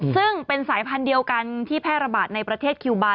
ซึ่งเป็นสายพันธุ์เดียวกันที่แพร่ระบาดในประเทศคิวบาร์